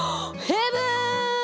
ヘブン！